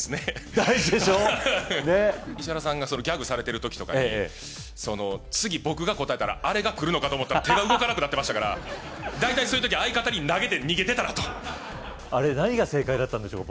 大事でしょねぇ石原さんがギャグされてる時とかに次僕が答えたらあれが来るのかと思ったら手が動かなくなってましたから大体そういう時相方に投げて逃げてたなとあれ何が正解だったんでしょう